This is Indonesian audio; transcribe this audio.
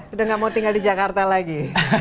sudah tidak mau tinggal di yogyakarta lagi